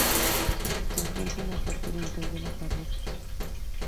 Se encuentra en la parte oriental de la parroquia.